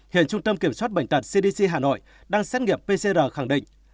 hiện trung tâm kiểm soát bệnh tật cdc hà nội đang xét nghiệm pcr khẳng định